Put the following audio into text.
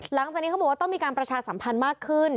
หลังจากนี้เขาบอกว่าต้องมีการประชาสัมพันธ์มากขึ้น